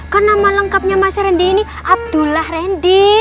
kan nama lengkapnya mas randy ini abdullah randy